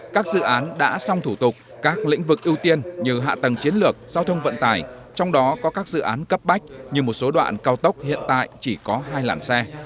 các dự án đã xong thủ tục các lĩnh vực ưu tiên như hạ tầng chiến lược giao thông vận tải trong đó có các dự án cấp bách như một số đoạn cao tốc hiện tại chỉ có hai làn xe